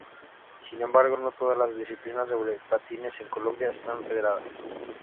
Sin embargo, no todas las disciplinas sobre patines en Colombia, están federadas.